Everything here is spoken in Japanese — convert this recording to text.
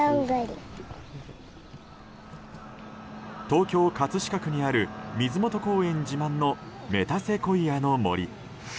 東京・葛飾区にある水元公園自慢のメタセコイアの森。